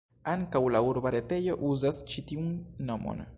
Ankaŭ la urba retejo uzas ĉi tiun nomon.